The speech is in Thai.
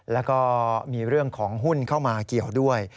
แล้วก็มีเรื่องของหุ้นเข้ามาเกี่ยวด้วย